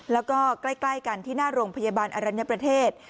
แล้วก็ใกล้กันที่หน้าโรงพยาบาลอรัญญประเทศ